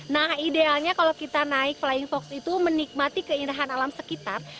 nah idealnya kalau kita naik flying fox itu menikmati keindahan alam sekitar